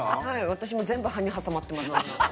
私も全部歯に挟まってます。